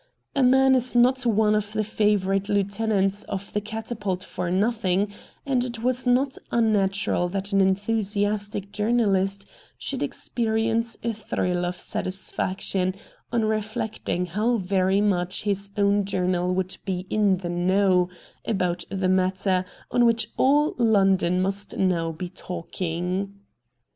A man is not one of the favourite lieutenants of the ' Catapult ' for nothing, and it was not unnatural that an enthusiastic journalist should experience a thrill of satis faction on reflecting how very much his own journal would be 'in the know' about the matter on which all London must now be talking.